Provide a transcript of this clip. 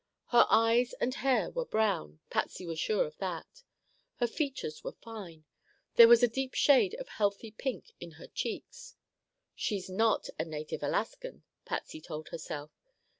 Her eyes and hair were brown; Patsy was sure of that. Her features were fine. There was a deep shade of healthy pink in her cheeks. "She's not a native Alaskan," Patsy told herself.